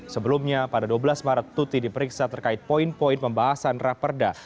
sebelumnya pada dua belas maret tuti diperiksa terkait poin poin pembahasan raperda